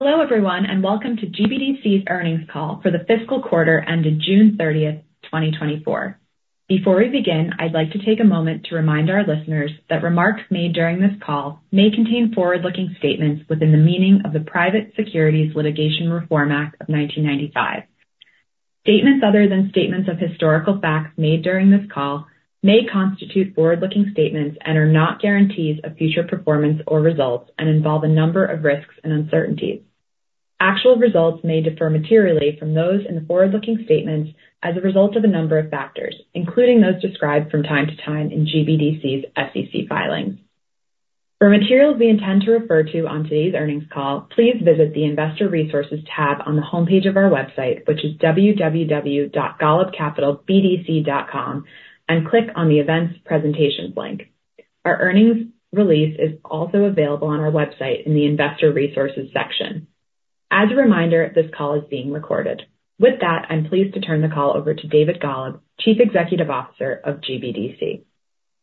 Hello, everyone, and welcome to GBDC's earnings call for the fiscal quarter ended June 30, 2024. Before we begin, I'd like to take a moment to remind our listeners that remarks made during this call may contain forward-looking statements within the meaning of the Private Securities Litigation Reform Act of 1995. Statements other than statements of historical facts made during this call may constitute forward-looking statements and are not guarantees of future performance or results and involve a number of risks and uncertainties. Actual results may differ materially from those in the forward-looking statements as a result of a number of factors, including those described from time to time in GBDC's SEC filings. For materials we intend to refer to on today's earnings call, please visit the Investor Resources tab on the homepage of our website, which is www.golubcapitalbdc.com, and click on the Events & Presentations link. Our earnings release is also available on our website in the Investor Resources section. As a reminder, this call is being recorded. With that, I'm pleased to turn the call over to David Golub, Chief Executive Officer of GBDC.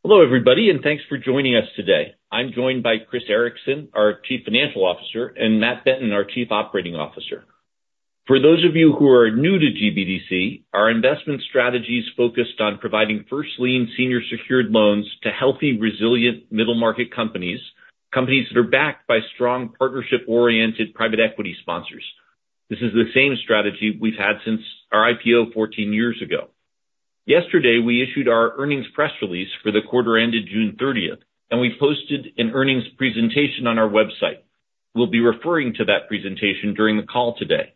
Hello, everybody, and thanks for joining us today. I'm joined by Chris Ericson, our Chief Financial Officer, and Matt Benton, our Chief Operating Officer. For those of you who are new to GBDC, our investment strategy is focused on providing first lien senior secured loans to healthy, resilient middle-market companies, companies that are backed by strong partnership-oriented private equity sponsors. This is the same strategy we've had since our IPO 14 years ago. Yesterday, we issued our earnings press release for the quarter ended June 30, and we posted an earnings presentation on our website. We'll be referring to that presentation during the call today.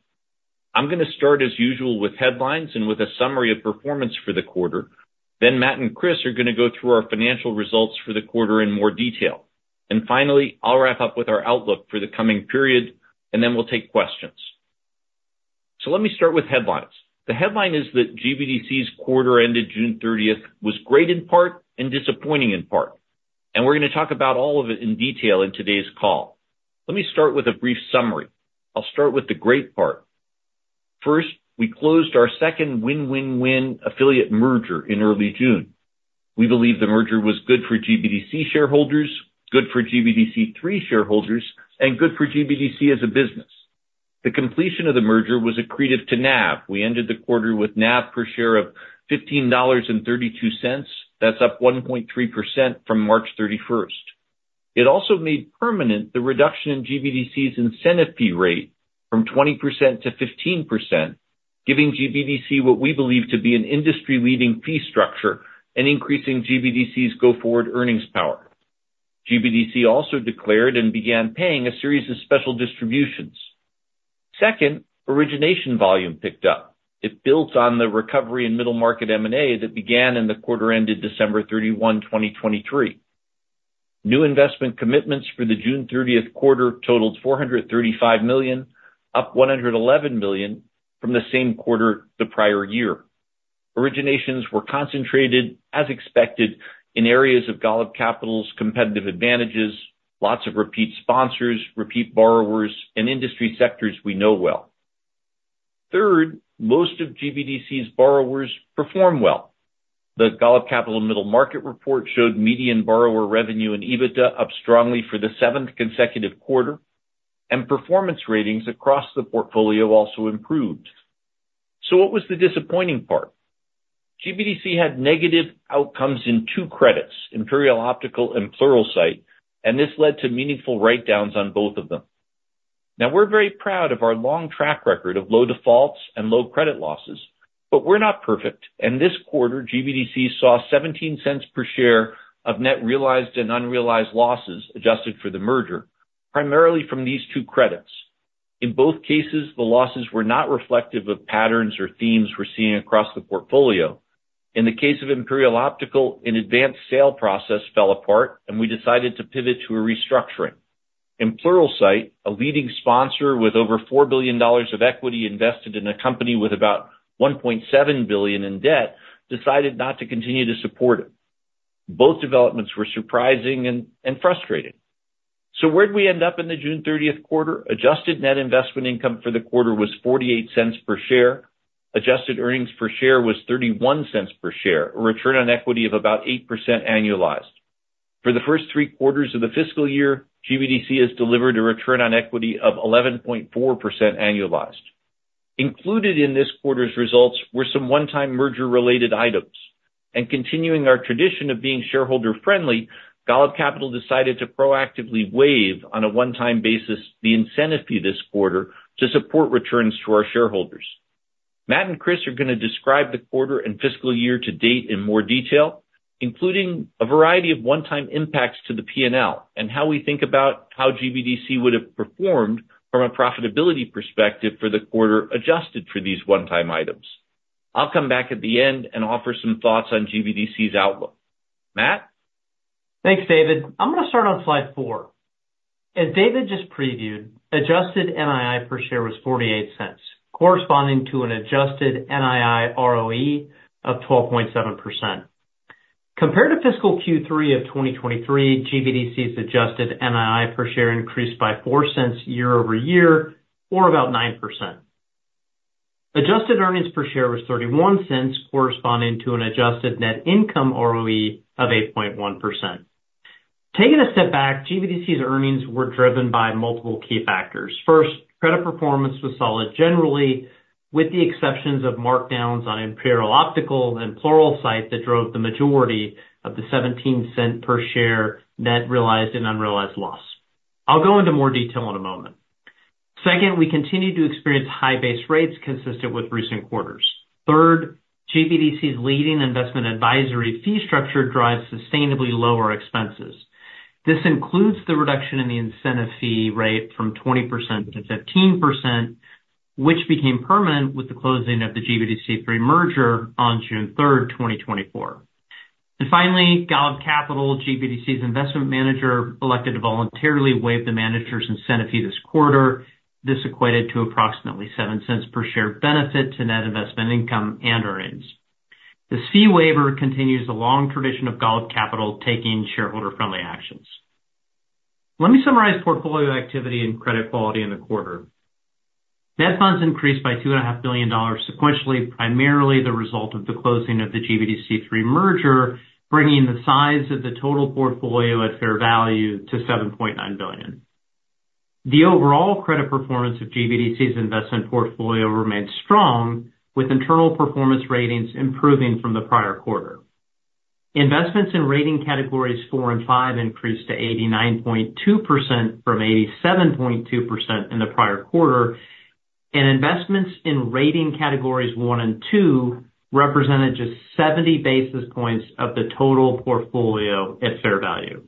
I'm gonna start, as usual, with headlines and with a summary of performance for the quarter. Then Matt and Chris are gonna go through our financial results for the quarter in more detail. Finally, I'll wrap up with our outlook for the coming period, and then we'll take questions. Let me start with headlines. The headline is that GBDC's quarter ended June 30 was great in part and disappointing in part, and we're gonna talk about all of it in detail in today's call. Let me start with a brief summary. I'll start with the great part. First, we closed our second win-win-win affiliate merger in early June. We believe the merger was good for GBDC shareholders, good for GBDC 3 shareholders, and good for GBDC as a business. The completion of the merger was accretive to NAV. We ended the quarter with NAV per share of $15.32. That's up 1.3% from March 31. It also made permanent the reduction in GBDC's incentive fee rate from 20% to 15%, giving GBDC what we believe to be an industry-leading fee structure and increasing GBDC's go-forward earnings power. GBDC also declared and began paying a series of special distributions. Second, origination volume picked up. It builds on the recovery in middle market M&A that began in the quarter ended December 31, 2023. New investment commitments for the June 30 quarter totaled $435 million, up $111 million from the same quarter the prior year. Originations were concentrated, as expected, in areas of Golub Capital's competitive advantages, lots of repeat sponsors, repeat borrowers, and industry sectors we know well. Third, most of GBDC's borrowers perform well. The Golub Capital Middle Market Report showed median borrower revenue and EBITDA up strongly for the seventh consecutive quarter, and performance ratings across the portfolio also improved. So what was the disappointing part? GBDC had negative outcomes in two credits, Imperial Optical and Pluralsight, and this led to meaningful write-downs on both of them. Now, we're very proud of our long track record of low defaults and low credit losses, but we're not perfect, and this quarter, GBDC saw $0.17 per share of net realized and unrealized losses adjusted for the merger, primarily from these two credits. In both cases, the losses were not reflective of patterns or themes we're seeing across the portfolio. In the case of Imperial Optical, an advanced sale process fell apart, and we decided to pivot to a restructuring. In Pluralsight, a leading sponsor with over $4 billion of equity invested in a company with about $1.7 billion in debt, decided not to continue to support it. Both developments were surprising and frustrating. So where'd we end up in the June 30 quarter? Adjusted net investment income for the quarter was $0.48 per share. Adjusted earnings per share was $0.31 per share, a return on equity of about 8% annualized. For the first three quarters of the fiscal year, GBDC has delivered a return on equity of 11.4% annualized. Included in this quarter's results were some one-time merger-related items, and continuing our tradition of being shareholder-friendly, Golub Capital decided to proactively waive, on a one-time basis, the incentive fee this quarter to support returns to our shareholders. Matt and Chris are gonna describe the quarter and fiscal year to date in more detail, including a variety of one-time impacts to the P&L and how we think about how GBDC would have performed from a profitability perspective for the quarter, adjusted for these one-time items. I'll come back at the end and offer some thoughts on GBDC's outlook. Matt? Thanks, David. I'm gonna start on slide four. As David just previewed, adjusted NII per share was $0.48, corresponding to an adjusted NII ROE of 12.7%. Compared to fiscal Q3 of 2023, GBDC's adjusted NII per share increased by $0.04 year-over-year, or about 9%. ...Adjusted earnings per share was $0.31, corresponding to an adjusted net income ROE of 8.1%. Taking a step back, GBDC's earnings were driven by multiple key factors. First, credit performance was solid, generally, with the exceptions of markdowns on Imperial Optical and Pluralsight that drove the majority of the $0.17 per share net realized and unrealized loss. I'll go into more detail in a moment. Second, we continued to experience high base rates consistent with recent quarters. Third, GBDC's leading investment advisory fee structure drives sustainably lower expenses. This includes the reduction in the incentive fee rate from 20% to 15%, which became permanent with the closing of the GBDC 3 merger on June 3rd, 2024. And finally, Golub Capital, GBDC's investment manager, elected to voluntarily waive the manager's incentive fee this quarter. This equated to approximately $0.07 per share benefit to net investment income and earnings. This fee waiver continues the long tradition of Golub Capital taking shareholder-friendly actions. Let me summarize portfolio activity and credit quality in the quarter. Net funds increased by $2.5 billion sequentially, primarily the result of the closing of the GBDC 3 merger, bringing the size of the total portfolio at fair value to $7.9 billion. The overall credit performance of GBDC's investment portfolio remained strong, with internal performance ratings improving from the prior quarter. Investments in rating categories four and five increased to 89.2% from 87.2% in the prior quarter, and investments in rating categories one and two represented just 70 basis points of the total portfolio at fair value.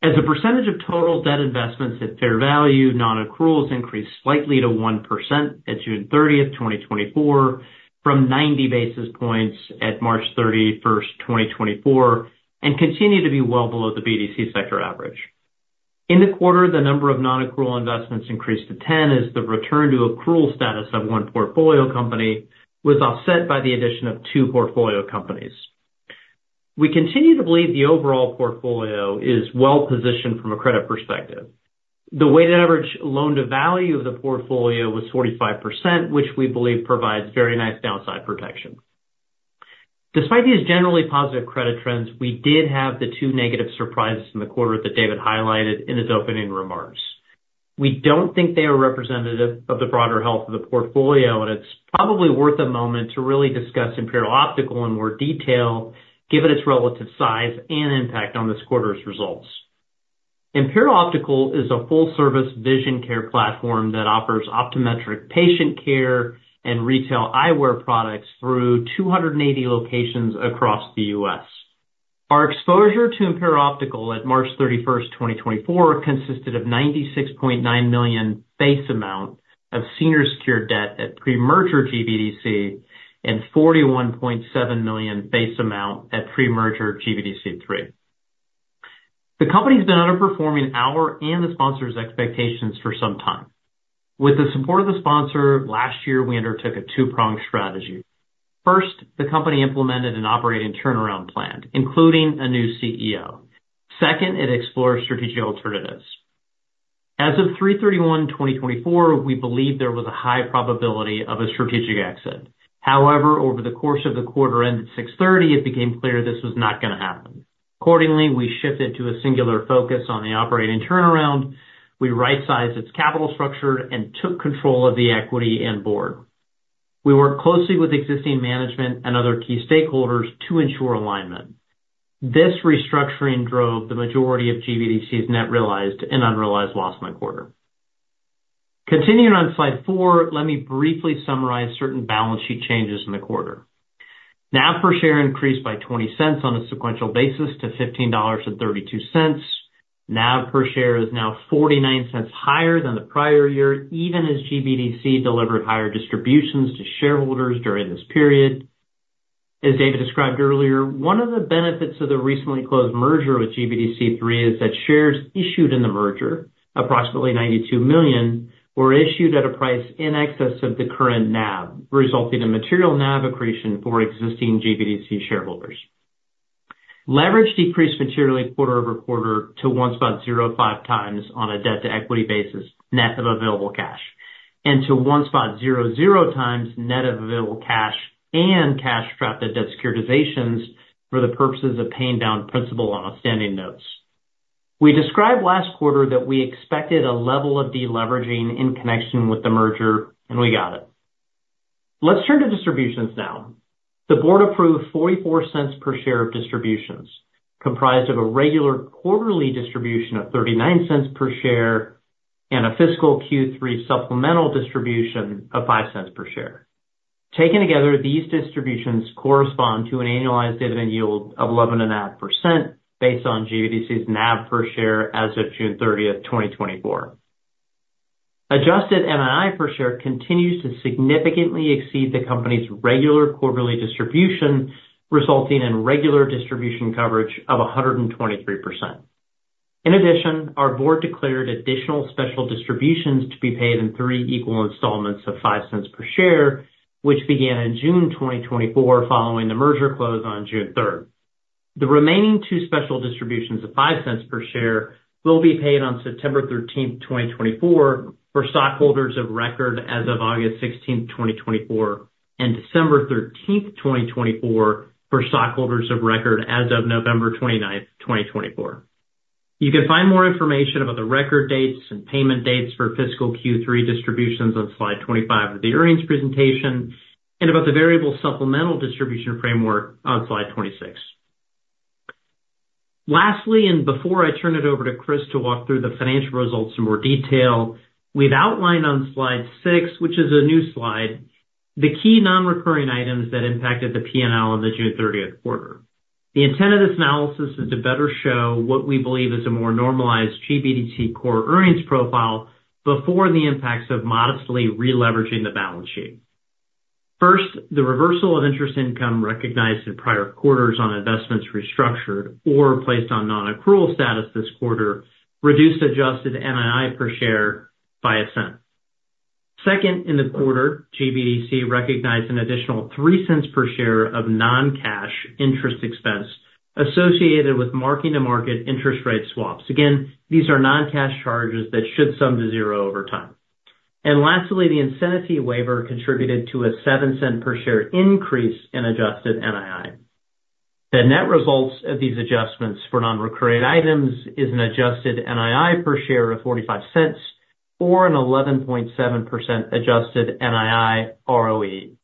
As a percentage of total debt investments at fair value, non-accruals increased slightly to 1% at June 30, 2024, from 90 basis points at March 31, 2024, and continue to be well below the BDC sector average. In the quarter, the number of non-accrual investments increased to 10, as the return to accrual status of 1 portfolio company was offset by the addition of two portfolio companies. We continue to believe the overall portfolio is well positioned from a credit perspective. The weighted average loan-to-value of the portfolio was 45%, which we believe provides very nice downside protection. Despite these generally positive credit trends, we did have the two negative surprises in the quarter that David highlighted in his opening remarks. We don't think they are representative of the broader health of the portfolio, and it's probably worth a moment to really discuss Imperial Optical in more detail, given its relative size and impact on this quarter's results. Imperial Optical is a full-service vision care platform that offers optometric patient care and retail eyewear products through 280 locations across the U.S. Our exposure to Imperial Optical at March 31, 2024, consisted of $96.9 million base amount of senior secured debt at pre-merger GBDC and $41.7 million base amount at pre-merger GBDC 3. The company's been underperforming our and the sponsor's expectations for some time. With the support of the sponsor, last year, we undertook a two-pronged strategy. First, the company implemented an operating turnaround plan, including a new CEO. Second, it explored strategic alternatives. As of 3/31/2024, we believed there was a high probability of a strategic exit. However, over the course of the quarter end at 6/30, it became clear this was not gonna happen. Accordingly, we shifted to a singular focus on the operating turnaround. We rightsized its capital structure and took control of the equity and board. We worked closely with existing management and other key stakeholders to ensure alignment. This restructuring drove the majority of GBDC's net realized and unrealized loss in the quarter. Continuing on slide four, let me briefly summarize certain balance sheet changes in the quarter. NAV per share increased by $0.20 on a sequential basis to $15.32. NAV per share is now $0.49 higher than the prior year, even as GBDC delivered higher distributions to shareholders during this period. As David described earlier, one of the benefits of the recently closed merger with GBDC 3 is that shares issued in the merger, approximately 92 million, were issued at a price in excess of the current NAV, resulting in material NAV accretion for existing GBDC shareholders. Leverage decreased materially quarter-over-quarter to 1.05 times on a debt-to-equity basis, net of available cash, and to 1.00x net of available cash and cash trapped at debt securitizations for the purposes of paying down principal on outstanding notes. We described last quarter that we expected a level of deleveraging in connection with the merger, and we got it. Let's turn to distributions now. The board approved $0.44 per share of distributions, comprised of a regular quarterly distribution of $0.39 per share and a fiscal Q3 supplemental distribution of $0.05 per share. Taken together, these distributions correspond to an annualized dividend yield of 11.5% based on GBDC's NAV per share as of June 30, 2024. Adjusted NII per share continues to significantly exceed the company's regular quarterly distribution, resulting in regular distribution coverage of 123%. In addition, our board declared additional special distributions to be paid in three equal installments of $0.05 per share, which began in June 2024, following the merger close on June 3. The remaining two special distributions of $0.05 per share will be paid on September 13, 2024, for stockholders of record as of August 16, 2024, and December 13, 2024, for stockholders of record as of November 29, 2024. You can find more information about the record dates and payment dates for fiscal Q3 distributions on slide 25 of the earnings presentation, and about the variable supplemental distribution framework on slide 26. Lastly, before I turn it over to Chris to walk through the financial results in more detail, we've outlined on slide six, which is a new slide, the key non-recurring items that impacted the P&L on the June 30th quarter. The intent of this analysis is to better show what we believe is a more normalized GBDC core earnings profile before the impacts of modestly re-leveraging the balance sheet. First, the reversal of interest income recognized in prior quarters on investments restructured or placed on non-accrual status this quarter, reduced adjusted NII per share by $0.01. Second, in the quarter, GBDC recognized an additional $0.03 per share of non-cash interest expense associated with marking to market interest rate swaps. Again, these are non-cash charges that should sum to zero over time. And lastly, the incentive waiver contributed to a $0.07 per share increase in adjusted NII. The net results of these adjustments for non-recurring items is an adjusted NII per share of $0.45 or an 11.7% adjusted NII ROE.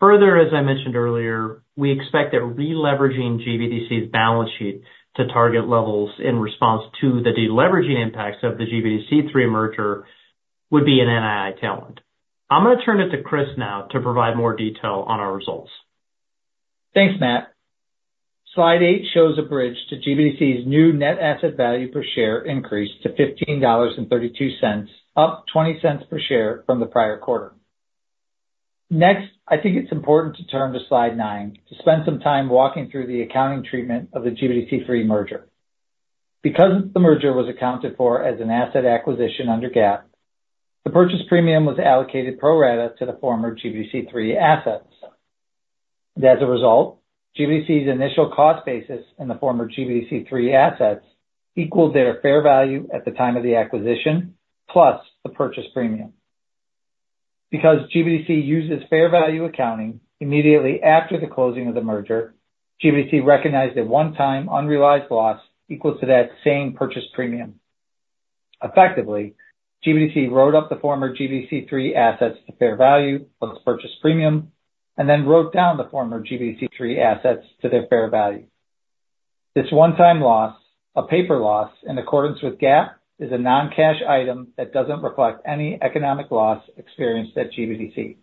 Further, as I mentioned earlier, we expect that releveraging GBDC's balance sheet to target levels in response to the deleveraging impacts of the GBDC 3 merger would be an NII tailwind. I'm going to turn it to Chris now to provide more detail on our results. Thanks, Matt. Slide eight shows a bridge to GBDC's new net asset value per share increase to $15.32, up $0.20 per share from the prior quarter. Next, I think it's important to turn to slide nine, to spend some time walking through the accounting treatment of the GBDC 3 merger. Because the merger was accounted for as an asset acquisition under GAAP, the purchase premium was allocated pro rata to the former GBDC 3 assets. And as a result, GBDC's initial cost basis in the former GBDC 3 assets equaled their fair value at the time of the acquisition, plus the purchase premium. Because GBDC uses fair value accounting, immediately after the closing of the merger, GBDC recognized a one-time unrealized loss equal to that same purchase premium. Effectively, GBDC wrote up the former GBDC 3 assets to fair value plus purchase premium, and then wrote down the former GBDC 3 assets to their fair value. This one-time loss, a paper loss, in accordance with GAAP, is a non-cash item that doesn't reflect any economic loss experienced at GBDC.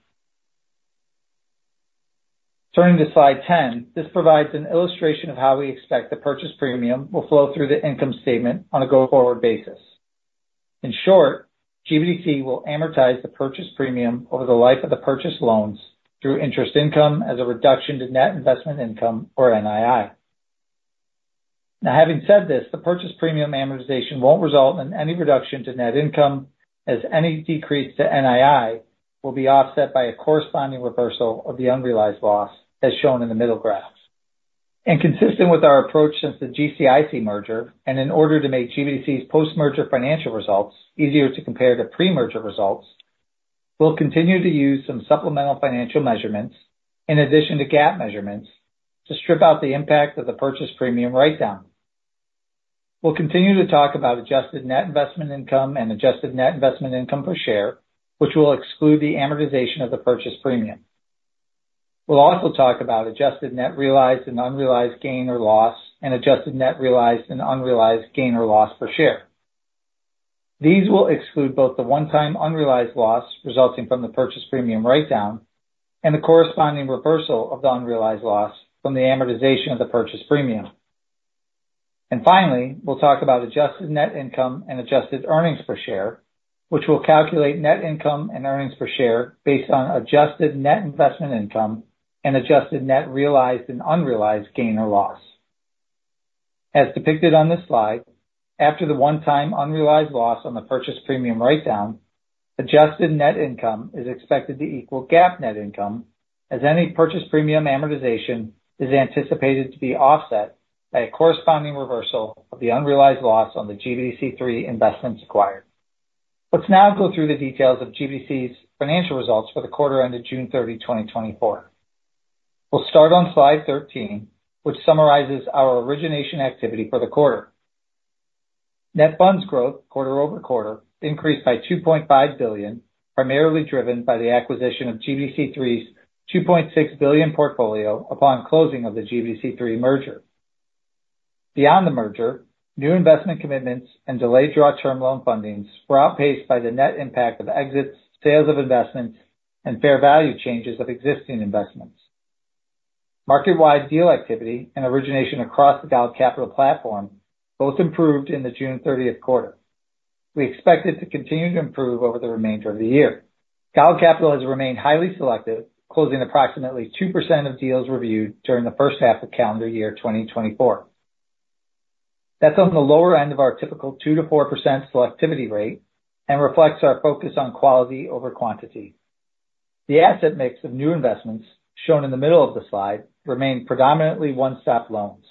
Turning to slide 10, this provides an illustration of how we expect the purchase premium will flow through the income statement on a go-forward basis. In short, GBDC will amortize the purchase premium over the life of the purchase loans through interest income as a reduction to net investment income or NII. Now, having said this, the purchase premium amortization won't result in any reduction to net income, as any decrease to NII will be offset by a corresponding reversal of the unrealized loss, as shown in the middle graph. Consistent with our approach since the GCIC merger, and in order to make GBDC's post-merger financial results easier to compare to pre-merger results, we'll continue to use some supplemental financial measurements in addition to GAAP measurements, to strip out the impact of the purchase premium write-down. We'll continue to talk about adjusted net investment income and adjusted net investment income per share, which will exclude the amortization of the purchase premium. We'll also talk about adjusted net realized and unrealized gain or loss, and adjusted net realized and unrealized gain or loss per share. These will exclude both the one-time unrealized loss resulting from the purchase premium write-down and the corresponding reversal of the unrealized loss from the amortization of the purchase premium. And finally, we'll talk about adjusted net income and adjusted earnings per share, which will calculate net income and earnings per share based on adjusted net investment income and adjusted net realized and unrealized gain or loss. As depicted on this slide, after the one-time unrealized loss on the purchase premium write-down, adjusted net income is expected to equal GAAP net income, as any purchase premium amortization is anticipated to be offset by a corresponding reversal of the unrealized loss on the GBDC 3 investments acquired. Let's now go through the details of GBDC's financial results for the quarter ended June 30, 2024. We'll start on slide 13, which summarizes our origination activity for the quarter. Net funds growth, quarter-over-quarter, increased by $2.5 billion, primarily driven by the acquisition of GBDC 3's $2.6 billion portfolio upon closing of the GBDC 3 merger. Beyond the merger, new investment commitments and delayed draw term loan fundings were outpaced by the net impact of exits, sales of investments, and fair value changes of existing investments. Market-wide deal activity and origination across the Golub Capital platform both improved in the June 30th quarter. We expect it to continue to improve over the remainder of the year. Golub Capital has remained highly selective, closing approximately 2% of deals reviewed during the first half of calendar year 2024.... That's on the lower end of our typical 2%-4% selectivity rate and reflects our focus on quality over quantity. The asset mix of new investments, shown in the middle of the slide, remain predominantly one-stop loans.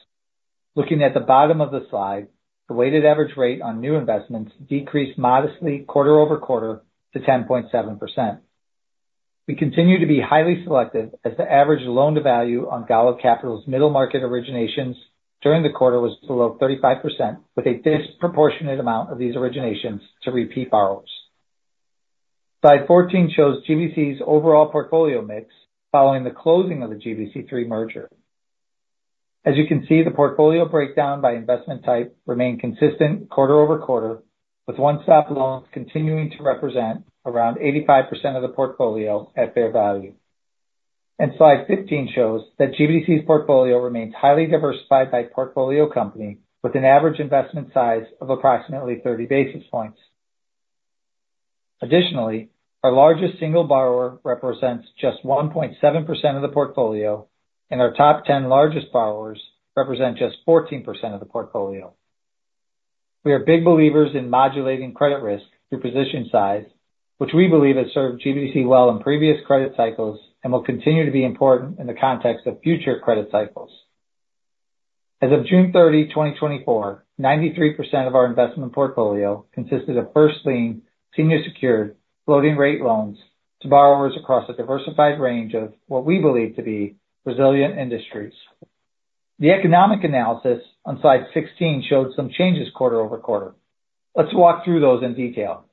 Looking at the bottom of the slide, the weighted average rate on new investments decreased modestly quarter-over-quarter to 10.7%. We continue to be highly selective, as the average loan-to-value on Golub Capital's middle market originations during the quarter was below 35%, with a disproportionate amount of these originations to repeat borrowers. Slide 14 shows GBDC's overall portfolio mix following the closing of the GBDC3 merger. As you can see, the portfolio breakdown by investment type remained consistent quarter over quarter, with one-stop loans continuing to represent around 85% of the portfolio at fair value. Slide 15 shows that GBDC's portfolio remains highly diversified by portfolio company, with an average investment size of approximately 30 basis points. Additionally, our largest single borrower represents just 1.7% of the portfolio, and our top 10 largest borrowers represent just 14% of the portfolio. We are big believers in modulating credit risk through position size, which we believe has served GBDC well in previous credit cycles and will continue to be important in the context of future credit cycles. As of June 30, 2024, 93% of our investment portfolio consisted of first lien, senior secured, floating rate loans to borrowers across a diversified range of what we believe to be resilient industries. The economic analysis on slide 16 showed some changes quarter-over-quarter. Let's walk through those in detail.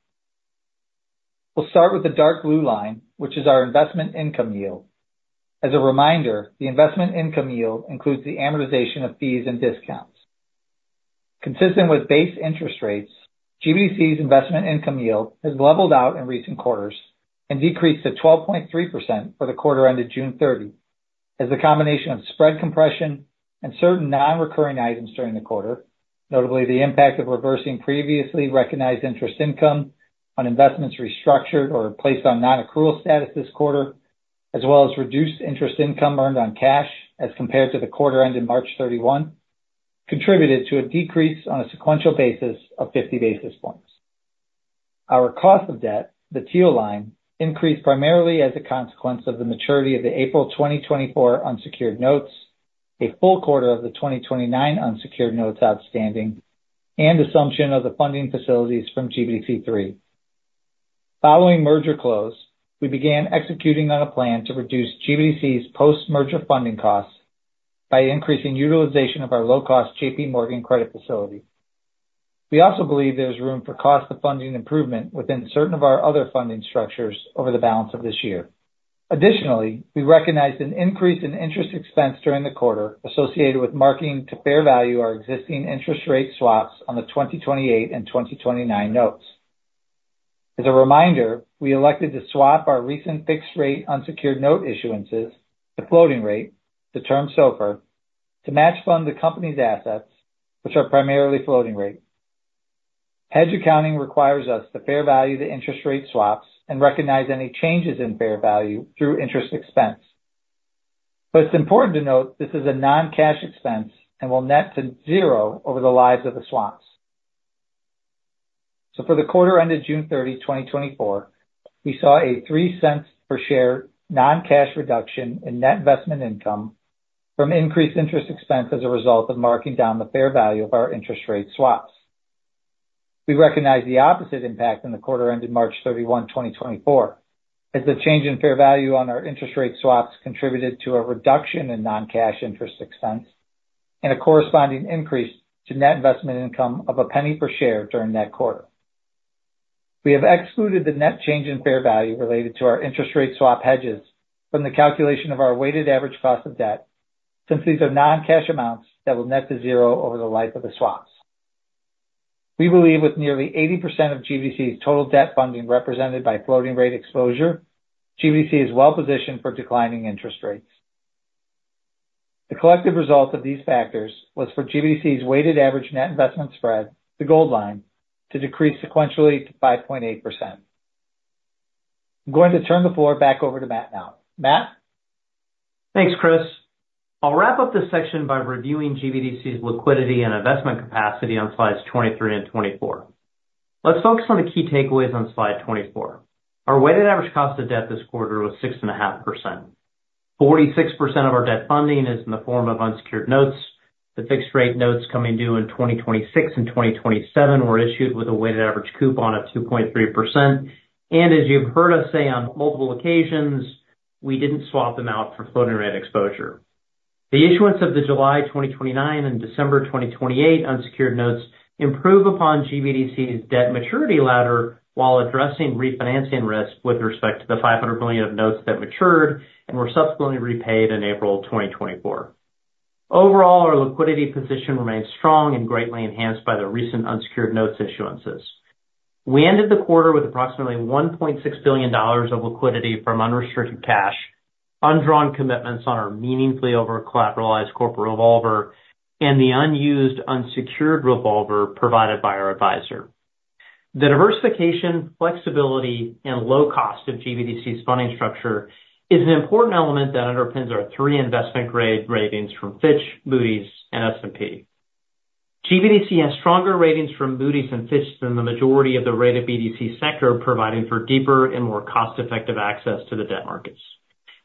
We'll start with the dark blue line, which is our investment income yield. As a reminder, the investment income yield includes the amortization of fees and discounts. Consistent with base interest rates, GBDC's investment income yield has leveled out in recent quarters and decreased to 12.3% for the quarter ended June 30. As a combination of spread compression and certain non-recurring items during the quarter, notably the impact of reversing previously recognized interest income on investments restructured or placed on non-accrual status this quarter, as well as reduced interest income earned on cash as compared to the quarter ended March 31, contributed to a decrease on a sequential basis of 50 basis points. Our cost of debt, the teal line, increased primarily as a consequence of the maturity of the April 2024 unsecured notes, a full quarter of the 2029 unsecured notes outstanding, and assumption of the funding facilities from GBDC3. Following merger close, we began executing on a plan to reduce GBDC's post-merger funding costs by increasing utilization of our low-cost JPMorgan credit facility. We also believe there's room for cost of funding improvement within certain of our other funding structures over the balance of this year. Additionally, we recognized an increase in interest expense during the quarter associated with marking to fair value our existing interest rate swaps on the 2028 and 2029 notes. As a reminder, we elected to swap our recent fixed rate unsecured note issuances to floating rate, the Term SOFR, to match fund the company's assets, which are primarily floating rate. Hedge accounting requires us to fair value the interest rate swaps and recognize any changes in fair value through interest expense. But it's important to note this is a non-cash expense and will net to zero over the lives of the swaps. So for the quarter ended June 30, 2024, we saw a $0.03 per share non-cash reduction in net investment income from increased interest expense as a result of marking down the fair value of our interest rate swaps. We recognize the opposite impact in the quarter ended March 31, 2024, as the change in fair value on our interest rate swaps contributed to a reduction in non-cash interest expense and a corresponding increase to net investment income of $0.01 per share during that quarter. We have excluded the net change in fair value related to our interest rate swap hedges from the calculation of our weighted average cost of debt, since these are non-cash amounts that will net to zero over the life of the swaps. We believe with nearly 80% of GBDC's total debt funding represented by floating rate exposure, GBDC is well positioned for declining interest rates. The collective result of these factors was for GBDC's weighted average net investment spread, the gold line, to decrease sequentially to 5.8%. I'm going to turn the floor back over to Matt now. Matt? Thanks, Chris. I'll wrap up this section by reviewing GBDC's liquidity and investment capacity on slides 23 and 24. Let's focus on the key takeaways on slide 24. Our weighted average cost of debt this quarter was 6.5%. 46% of our debt funding is in the form of unsecured notes. The fixed rate notes coming due in 2026 and 2027 were issued with a weighted average coupon of 2.3%. And as you've heard us say on multiple occasions, we didn't swap them out for floating rate exposure. The issuance of the July 2029 and December 2028 unsecured notes improve upon GBDC's debt maturity ladder while addressing refinancing risk with respect to the $500 million of notes that matured and were subsequently repaid in April 2024. Overall, our liquidity position remains strong and greatly enhanced by the recent unsecured notes issuances. We ended the quarter with approximately $1.6 billion of liquidity from unrestricted cash, undrawn commitments on our meaningfully over-collateralized corporate revolver and the unused, unsecured revolver provided by our advisor.... The diversification, flexibility, and low cost of GBDC's funding structure is an important element that underpins our three investment grade ratings from Fitch, Moody's and S&P. GBDC has stronger ratings from Moody's and Fitch than the majority of the rated BDC sector, providing for deeper and more cost-effective access to the debt markets.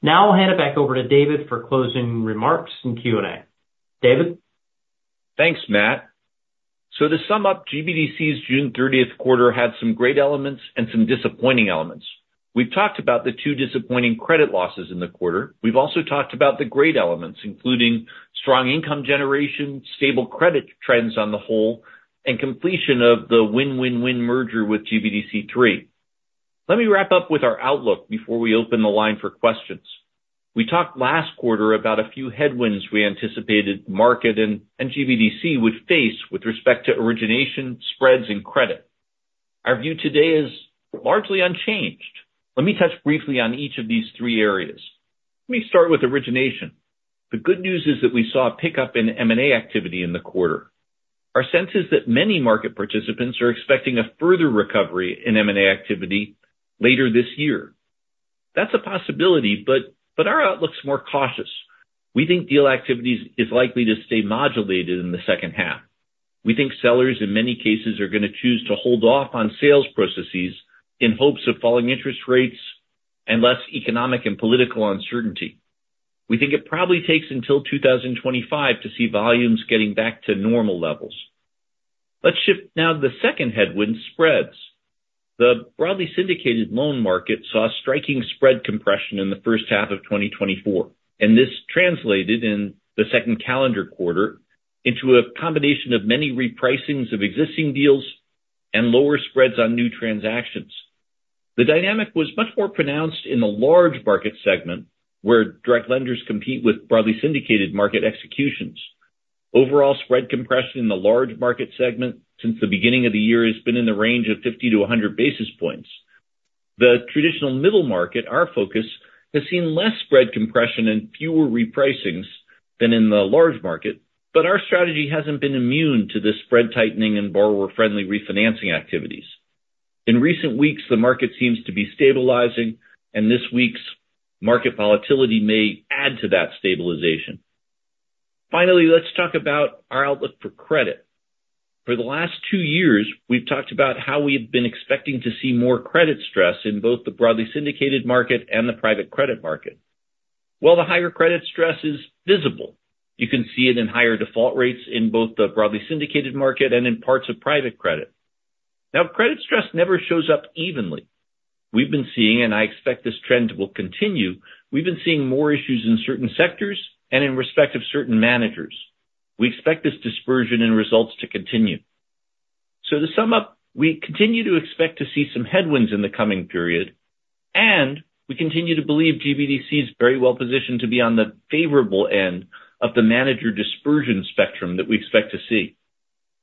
Now I'll hand it back over to David for closing remarks and Q&A. David? Thanks, Matt. So to sum up, GBDC's June 30th quarter had some great elements and some disappointing elements. We've talked about the two disappointing credit losses in the quarter. We've also talked about the great elements, including strong income generation, stable credit trends on the whole, and completion of the win-win-win merger with GBDC 3. Let me wrap up with our outlook before we open the line for questions. We talked last quarter about a few headwinds we anticipated the market and GBDC would face with respect to origination, spreads, and credit. Our view today is largely unchanged. Let me touch briefly on each of these three areas. Let me start with origination. The good news is that we saw a pickup in M&A activity in the quarter. Our sense is that many market participants are expecting a further recovery in M&A activity later this year. That's a possibility, but our outlook's more cautious. We think deal activities is likely to stay modulated in the second half. We think sellers, in many cases, are gonna choose to hold off on sales processes in hopes of falling interest rates and less economic and political uncertainty. We think it probably takes until 2025 to see volumes getting back to normal levels. Let's shift now to the second headwind, spreads. The broadly syndicated loan market saw a striking spread compression in the first half of 2024, and this translated in the second calendar quarter into a combination of many repricings of existing deals and lower spreads on new transactions. The dynamic was much more pronounced in the large market segment, where direct lenders compete with broadly syndicated market executions. Overall spread compression in the large market segment since the beginning of the year has been in the range of 50-100 basis points. The traditional middle market, our focus, has seen less spread compression and fewer repricings than in the large market, but our strategy hasn't been immune to this spread tightening and borrower-friendly refinancing activities. In recent weeks, the market seems to be stabilizing, and this week's market volatility may add to that stabilization. Finally, let's talk about our outlook for credit. For the last 2 years, we've talked about how we've been expecting to see more credit stress in both the broadly syndicated market and the private credit market. Well, the higher credit stress is visible. You can see it in higher default rates in both the broadly syndicated market and in parts of private credit. Now, credit stress never shows up evenly. We've been seeing, and I expect this trend will continue, we've been seeing more issues in certain sectors and in respect of certain managers. We expect this dispersion in results to continue. So to sum up, we continue to expect to see some headwinds in the coming period, and we continue to believe GBDC is very well positioned to be on the favorable end of the manager dispersion spectrum that we expect to see.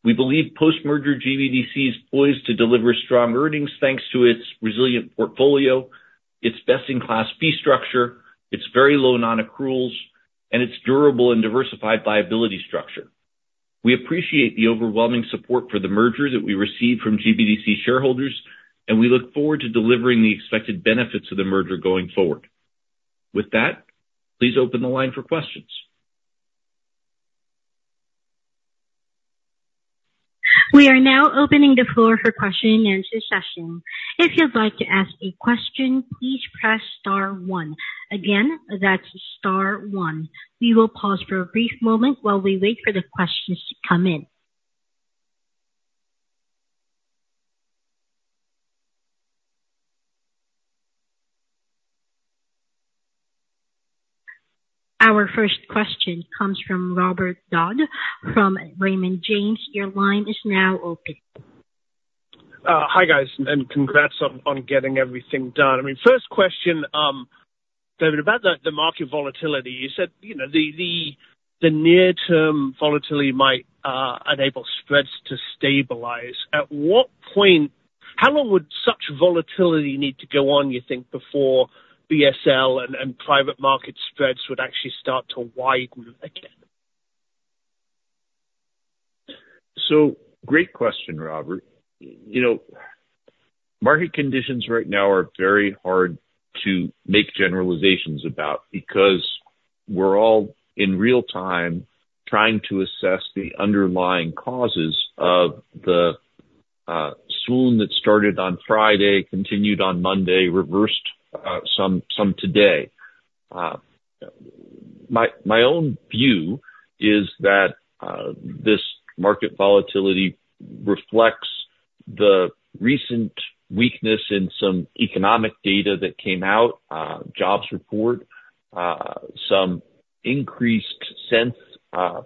We believe post-merger GBDC is poised to deliver strong earnings, thanks to its resilient portfolio, its best-in-class fee structure, its very low non-accruals, and its durable and diversified liability structure. We appreciate the overwhelming support for the merger that we received from GBDC shareholders, and we look forward to delivering the expected benefits of the merger going forward. With that, please open the line for questions. We are now opening the floor for question and answer session. If you'd like to ask a question, please press star one. Again, that's star one. We will pause for a brief moment while we wait for the questions to come in. Our first question comes from Robert Dodd from Raymond James. Your line is now open. Hi, guys, and congrats on getting everything done. I mean, first question, David, about the market volatility. You said, you know, the near-term volatility might enable spreads to stabilize. At what point—how long would such volatility need to go on, you think, before BSL and private market spreads would actually start to widen again? So great question, Robert. You know, market conditions right now are very hard to make generalizations about because we're all in real time trying to assess the underlying causes of the swoon that started on Friday, continued on Monday, reversed some today. My own view is that this market volatility reflects the recent weakness in some economic data that came out, jobs report, some increased sense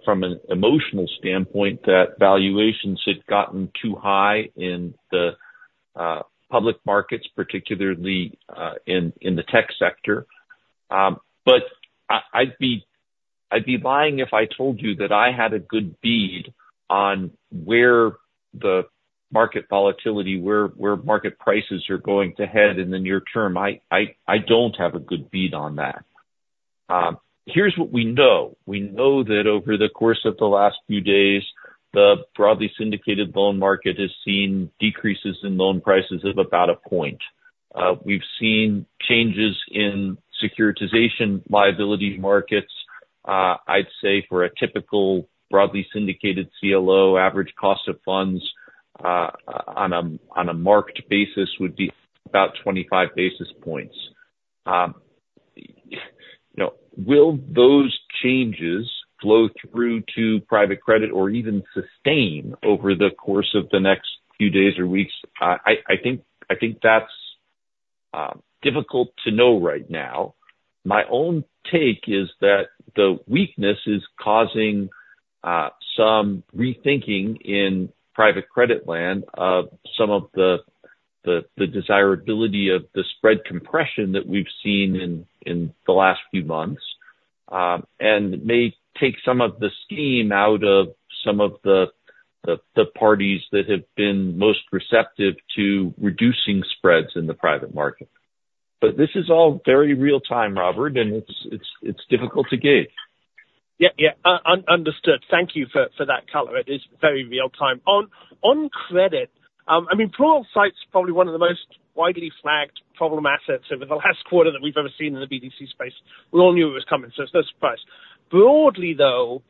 from an emotional standpoint that valuations had gotten too high in the public markets, particularly in the tech sector. But I'd be lying if I told you that I had a good bead on where the market volatility, where market prices are going to head in the near term. I don't have a good bead on that. Here's what we know. We know that over the course of the last few days, the broadly syndicated loan market has seen decreases in loan prices of about a point. We've seen changes in securitization liability markets. I'd say for a typical broadly syndicated CLO, average cost of funds on a marked basis would be about 25 basis points. You know, will those changes flow through to private credit or even sustain over the course of the next few days or weeks? I think that's difficult to know right now. My own take is that the weakness is causing some rethinking in private credit land of some of the desirability of the spread compression that we've seen in the last few months. And may take some of the steam out of some of the parties that have been most receptive to reducing spreads in the private market. But this is all very real time, Robert, and it's difficult to gauge. Yeah, yeah, understood. Thank you for that color. It is very real time. On credit, I mean, Pluralsight's probably one of the most widely flagged problem assets over the last quarter that we've ever seen in the BDC space. We all knew it was coming, so it's no surprise. Broadly, though,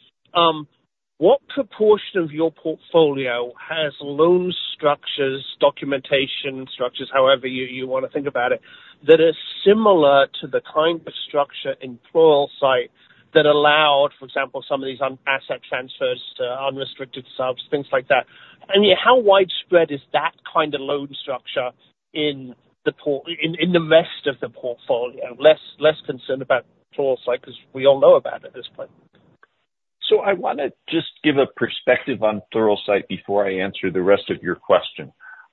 what proportion of your portfolio has loan structures, documentation structures, however you wanna think about it, that is similar to the kind of structure in Pluralsight that allowed, for example, some of these unrestricted asset transfers to unrestricted subs, things like that? And yet, how widespread is that kind of loan structure in the portfolio, in the rest of the portfolio? Less concerned about Pluralsight, because we all know about it at this point. So I wanna just give a perspective on Pluralsight before I answer the rest of your question.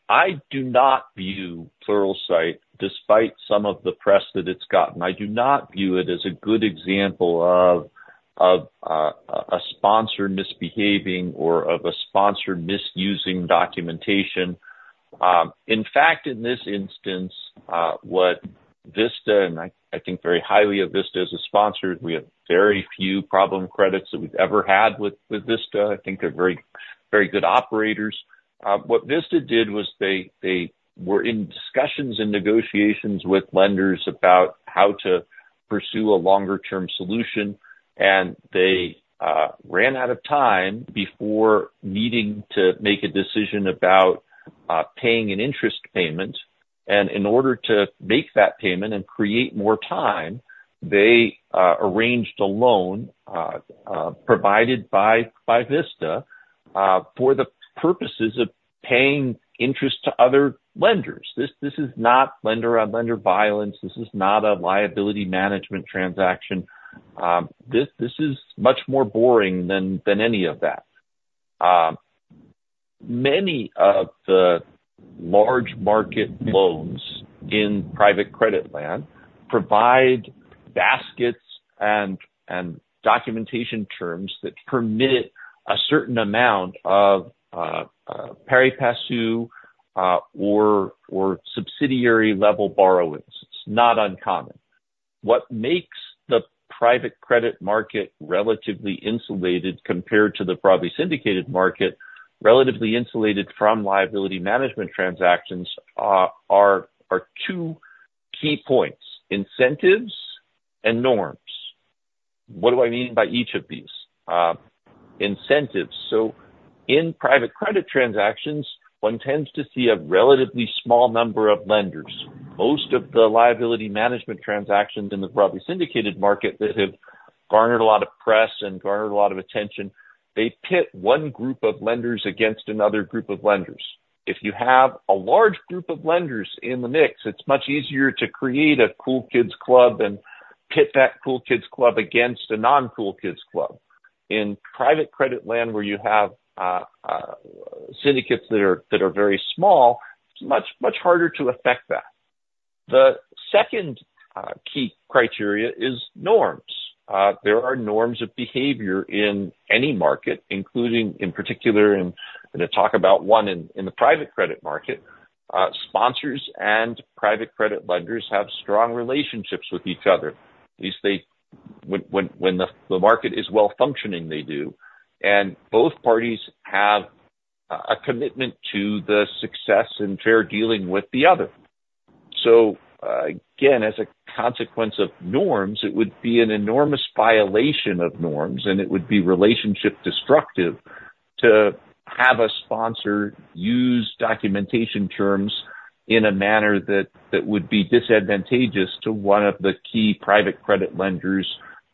I do not view Pluralsight, despite some of the press that it's gotten, I do not view it as a good example of a sponsor misbehaving or of a sponsor misusing documentation. In fact, in this instance, what Vista, and I think very highly of Vista as a sponsor, we have very few problem credits that we've ever had with Vista. I think they're very, very good operators. What Vista did was they were in discussions and negotiations with lenders about how to pursue a longer-term solution, and they ran out of time before needing to make a decision about paying an interest payment. In order to make that payment and create more time, they arranged a loan provided by Vista for the purposes of paying interest to other lenders. This is not lender-on-lender violence. This is not a liability management transaction. This is much more boring than any of that. Many of the large market loans in private credit land provide baskets and documentation terms that permit a certain amount of pari passu or subsidiary-level borrowings. It's not uncommon. What makes the private credit market relatively insulated compared to the broadly syndicated market, relatively insulated from liability management transactions, are two key points: incentives and norms. What do I mean by each of these? Incentives. So in private credit transactions, one tends to see a relatively small number of lenders. Most of the liability management transactions in the broadly syndicated market that have garnered a lot of press and garnered a lot of attention, they pit one group of lenders against another group of lenders. If you have a large group of lenders in the mix, it's much easier to create a cool kids club and pit that cool kids club against a non-cool kids club. In private credit land, where you have syndicates that are very small, it's much, much harder to affect that. The second key criteria is norms. There are norms of behavior in any market, including, in particular, in-- I'm gonna talk about one in the private credit market. Sponsors and private credit lenders have strong relationships with each other. At least they... When the market is well functioning, they do. And both parties have a commitment to the success and fair dealing with the other. So, again, as a consequence of norms, it would be an enormous violation of norms, and it would be relationship destructive, to have a sponsor use documentation terms in a manner that would be disadvantageous to one of the key private credit lenders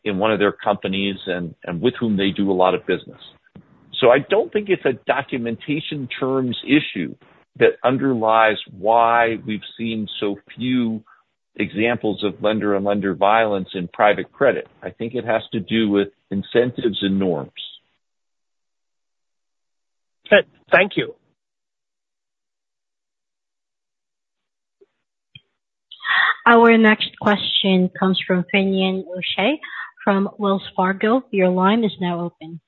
in one of their companies and with whom they do a lot of business. So I don't think it's a documentation terms issue that underlies why we've seen so few examples of lender-on-lender violence in private credit. I think it has to do with incentives and norms. Thank you. Our next question comes from Finian O'Shea from Wells Fargo. Your line is now open.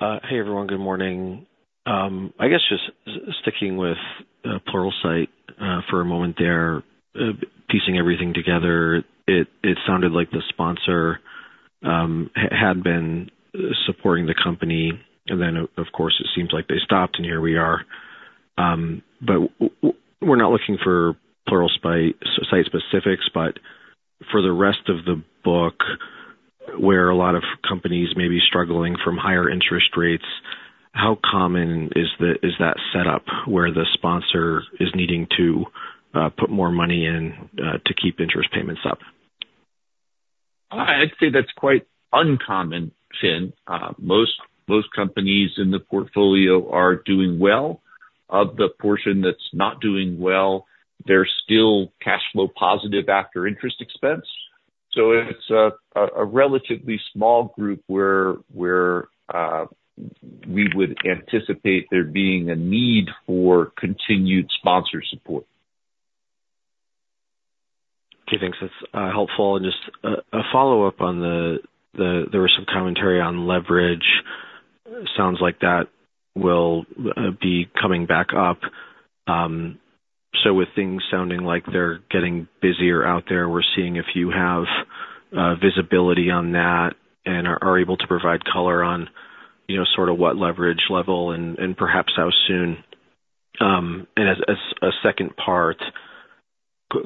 Hey, everyone, good morning. I guess just sticking with Pluralsight for a moment there. Piecing everything together, it sounded like the sponsor had been supporting the company, and then, of course, it seems like they stopped, and here we are. But we're not looking for Pluralsight specifics, but for the rest of the book, where a lot of companies may be struggling from higher interest rates, how common is that setup, where the sponsor is needing to put more money in to keep interest payments up? I'd say that's quite uncommon, Finn. Most companies in the portfolio are doing well. Of the portion that's not doing well, they're still cash flow positive after interest expense. So it's a relatively small group where we would anticipate there being a need for continued sponsor support. Okay, thanks. That's helpful. And just a follow-up on the. There was some commentary on leverage. Sounds like that will be coming back up. So with things sounding like they're getting busier out there, we're seeing if you have visibility on that, and are able to provide color on, you know, sort of what leverage level and perhaps how soon. And as a second part,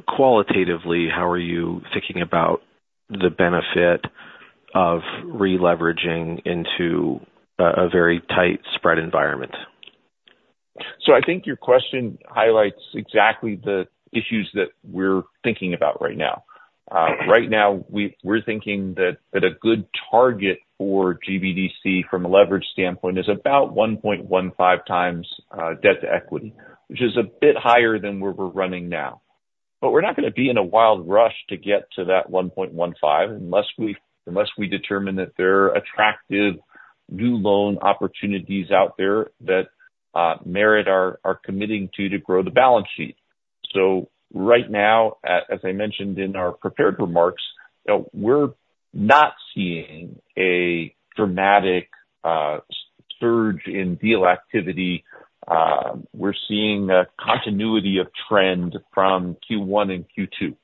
qualitatively, how are you thinking about the benefit of re-leveraging into a very tight spread environment? So I think your question highlights exactly the issues that we're thinking about right now. Right now, we're thinking that a good target for GBDC from a leverage standpoint is about 1.15 times debt to equity, which is a bit higher than where we're running now. But we're not gonna be in a wild rush to get to that 1.15, unless we determine that there are attractive new loan opportunities out there that merit our committing to grow the balance sheet. So right now, as I mentioned in our prepared remarks, we're not seeing a dramatic surge in deal activity. We're seeing a continuity of trend from Q1 and Q2.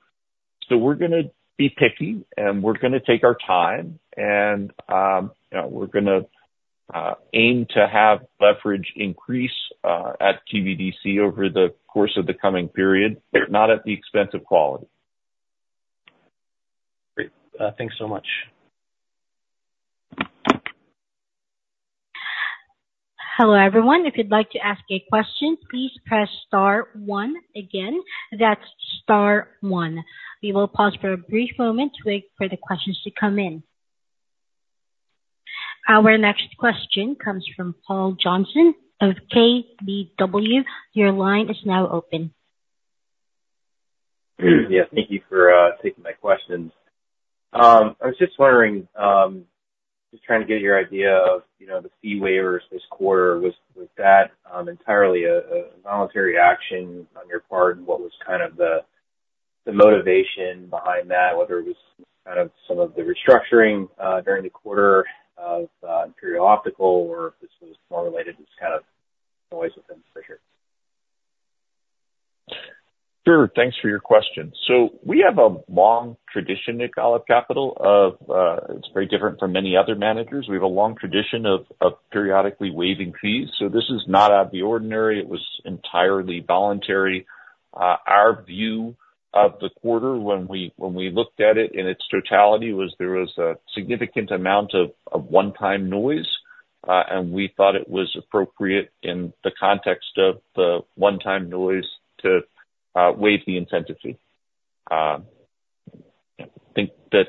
So we're gonna be picky, and we're gonna take our time and, you know, we're gonna aim to have leverage increase at GBDC over the course of the coming period, but not at the expense of quality. Great. Thanks so much. Hello, everyone. If you'd like to ask a question, please press star one. Again, that's star one. We will pause for a brief moment to wait for the questions to come in. Our next question comes from Paul Johnson of KBW. Your line is now open. Yeah, thank you for taking my questions. I was just wondering, just trying to get your idea of, you know, the fee waivers this quarter. Was that entirely a voluntary action on your part, and what was kind of the motivation behind that? Whether it was kind of some of the restructuring during the quarter of Imperial Optical, or if this was more related to just kind of noise within the figures? Sure. Thanks for your question. So we have a long tradition at Golub Capital of, it's very different from many other managers. We have a long tradition of periodically waiving fees, so this is not out of the ordinary. It was entirely voluntary. Our view of the quarter when we looked at it in its totality was there was a significant amount of one-time noise, and we thought it was appropriate in the context of the one-time noise to waive the incentive fee. I think that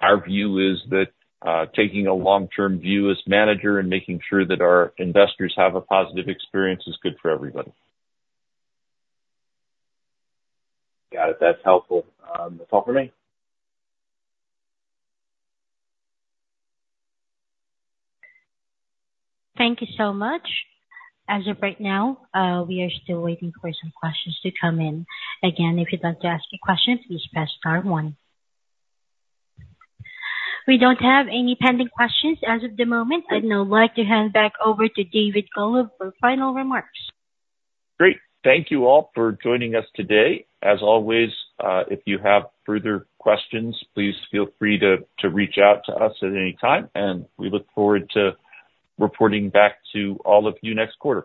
our view is that taking a long-term view as manager and making sure that our investors have a positive experience is good for everybody. Got it. That's helpful. That's all for me. Thank you so much. As of right now, we are still waiting for some questions to come in. Again, if you'd like to ask a question, please press star one. We don't have any pending questions as of the moment. I'd now like to hand back over to David Golub for final remarks. Great. Thank you all for joining us today. As always, if you have further questions, please feel free to reach out to us at any time, and we look forward to reporting back to all of you next quarter.